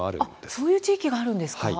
そういう地域があるんですか？